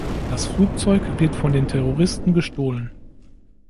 Das Flugzeug wird von den Terroristen gestohlen.